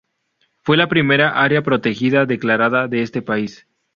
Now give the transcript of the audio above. Fue la primera área protegida declarada de este país.